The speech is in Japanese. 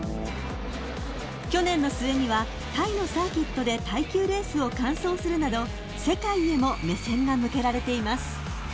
［去年の末にはタイのサーキットで耐久レースを完走するなど世界へも目線が向けられています］